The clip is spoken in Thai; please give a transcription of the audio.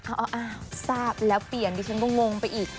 อ้าวทราบแล้วเปลี่ยนดิฉันก็งงไปอีก